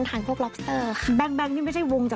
ตามด้วยนะนิดนึงนะ